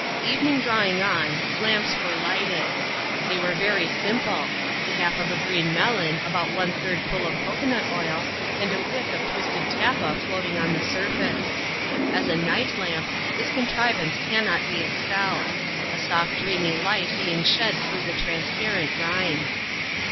Evening drawing on, lamps were lighted. They were very simple : the half of a green melon, about one third full of cocoa nut oil, and a wick of twisted tappa floating on the surface. As a night lamp, this contrivance cannot be excelled ; a soft dreamy light being shed through the transparent rind.